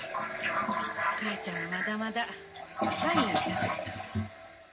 母ちゃんはまだまだ若いんやし。